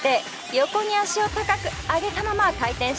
横に足を高く上げたまま回転していきます。